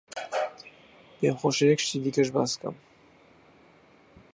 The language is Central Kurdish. پێم خۆشە یەک شتی دیکەش باس بکەم.